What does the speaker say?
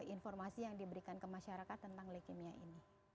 informasi yang diberikan ke masyarakat tentang leukemia ini